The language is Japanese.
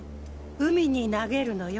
海に投げるのよ。